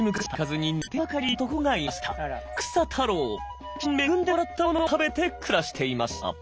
人から恵んでもらったものを食べて暮らしていました」。